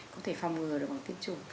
có thể phòng ngừa được bằng tiêm chủng